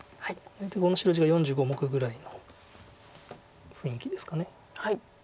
この白地が４５目ぐらいの雰囲気ですか。